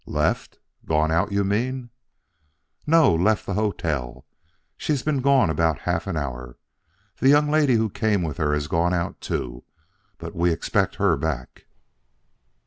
"Left? Gone out, you mean?" "No, left the hotel. She's been gone about half an hour. The young lady who came with her has gone out too, but we expect her back."